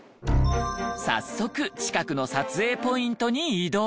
早速近くの撮影ポイントに移動。